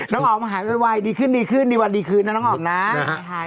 น้องอ๋อมหายไวดีขึ้นดีขึ้นดีวันดีคืนนะน้องอ๋องนะ